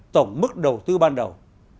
tổng mức đầu tư ban đầu